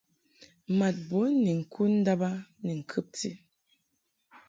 Mad bun ni ŋkud ndàb a ni ŋkɨbti.